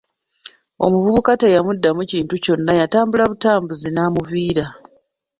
Omuvubuka teyamuddamu kintu kyonna yatambula butambuzi n’amuviira.